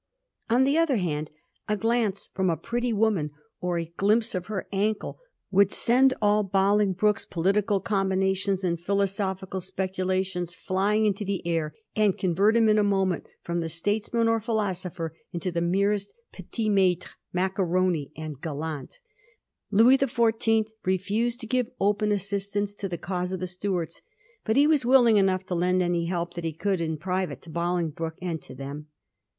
On the other hand, a glance fi'om a pretty woman, or a glimpse of her ankle, would send all Bolingbroke's Digiti zed by Google 154 A HISTORY OF THE POUR GEORGES. oh. tii. political combinations and philosophical speculations flying into the air, and convert him in a moment from the statesman or the philosopher into the merest petit maltre^ maccaroni, and gallant. Louis the Fourteenth refused to give open xissistance to the cause of the Stuarts, but he was willing enough to lend any help that he could in private to Bolingbroke and to them.